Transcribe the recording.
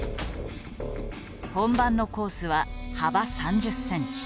本番のコースは幅３０センチ。